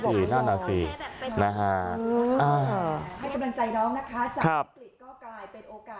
จากนี้กลิ่นก็กลายเป็นโอกาส